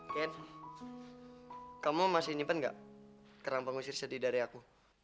ken kamu masih nyimpen nggak kerang pengusir sedih dari aku